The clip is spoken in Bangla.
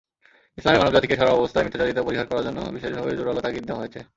ইসলামে মানবজাতিকে সর্বাবস্থায় মিথ্যাচারিতা পরিহার করার জন্য বিশেষভাবে জোরালো তাগিদ দেওয়া হয়েছে।